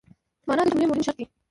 مانا د جملې مهم شرط دئ.